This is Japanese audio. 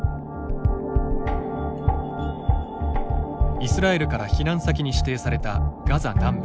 イスラエルから避難先に指定されたガザ南部。